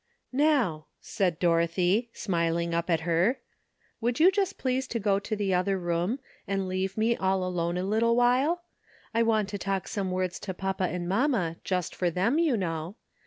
''Now," said Dorothy, smiling up at her, "would you just please to go into the other room and leave me all alone a little while? I want to talk some words to papa and mamma just for them, you know.